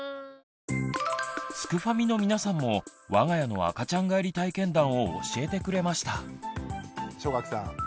すくファミの皆さんも我が家の赤ちゃん返り体験談を教えてくれました。